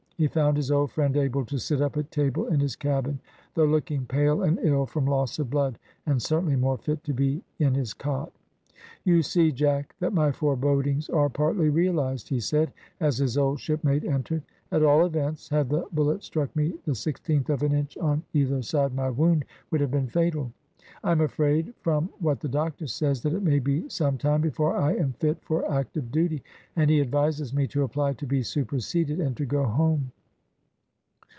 He found his old friend able to sit up at table in his cabin, though looking pale and ill from loss of blood, and certainly more fit to be in his cot. "You see, Jack, that my forebodings are partly realised," he said, as his old shipmate entered; "at all events, had the bullet struck me the sixteenth of an inch on either side my wound would have been fatal. I am afraid, from what the doctor says, that it may be some time before I am fit for active duty, and he advises me to apply to be superseded, and to go home."